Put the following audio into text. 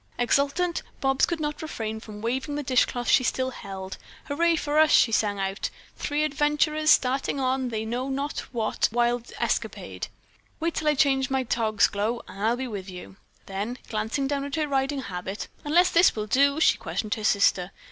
Exultant Bobs could not refrain from waving the dishcloth she still held. "Hurray for us!" she sang out. "Three adventurers starting on they know not what wild escapade. Wait until I change my togs, Glow, and I'll be with you." Then, glancing down at her riding habit, "Unless this will do?" she questioned her sister.